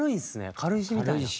軽石みたいな。